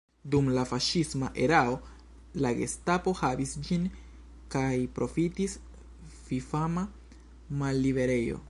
Dum la faŝisma erao la Gestapo havis ĝin kaj profitis fifama malliberejo.